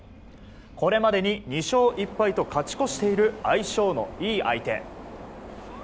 これまでに２勝１敗と勝ち越している相性のいい相手。